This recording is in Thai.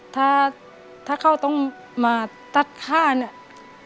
ถ้าถ้าเขาต้องมาตัดค่าเนี่ย